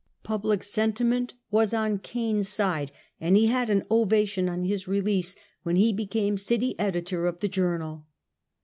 Public sentiment was on Kane's side, and he had an ovation on his release, when he became city editor of the Journal.